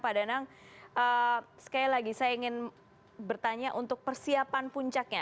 pak danang sekali lagi saya ingin bertanya untuk persiapan puncaknya